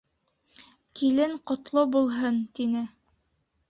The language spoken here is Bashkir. — Килен ҡотло булһын! — тине.